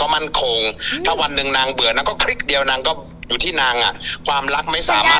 มูหนักไหม